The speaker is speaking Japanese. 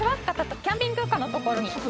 キャンピングカーのところに。